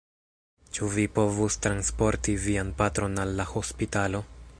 Ĉu vi povus transporti vian patron al la hospitalo?